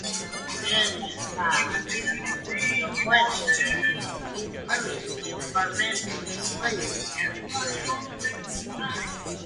Many a time, the questions mooted are meant to mislead the defender.